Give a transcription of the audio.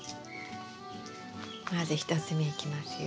まず１つ目いきますよ。